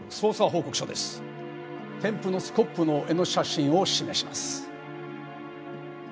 添付のスコップの柄の写真を示します。